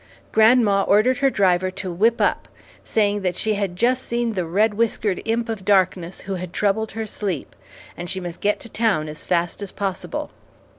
Grandma ordered her driver to whip up, saying that she had just seen the red whiskered imp of darkness who had troubled her sleep, and she must get to town as fast as possible.